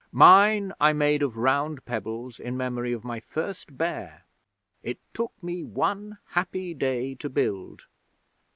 Mine I made of round pebbles, in memory of my first bear. It took me one happy day to build.'